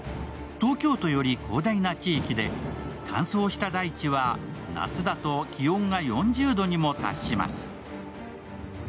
東京都より広大な地域で、乾燥した大地は夏だと気温が４０度にも達します。